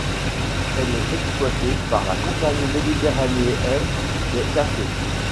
Elle est exploitée par la Compagnie Méditéranèenne des Cafés.